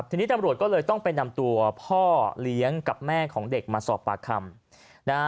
ทีนี้ตำรวจก็เลยต้องไปนำตัวพ่อเลี้ยงกับแม่ของเด็กมาสอบปากคำนะฮะ